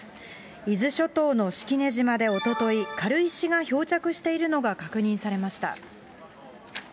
伊豆諸島の式根島でおととい、軽石が漂着しているのが確認されました。